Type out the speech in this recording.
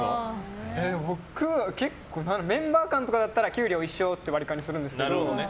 僕らは結構メンバー間だったら給料一緒って割り勘にするんですけど。